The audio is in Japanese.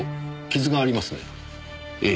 傷がありますねえ。